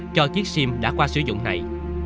cho chiếc sim đã qua sử dụng này